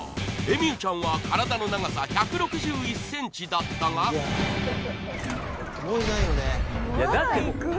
エミューちゃんは体の長さ１６１ｃｍだったがもういないよねまだいく？